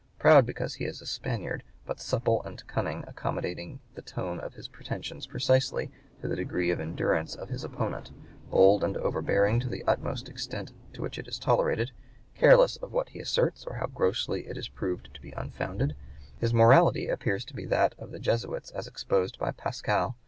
111) proud because he is a Spaniard, but supple and cunning, accommodating the tone of his pretensions precisely to the degree of endurance of his opponent, bold and overbearing to the utmost extent to which it is tolerated, careless of what he asserts or how grossly it is proved to be unfounded, his morality appears to be that of the Jesuits as exposed by Pascal.